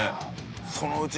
そのうち。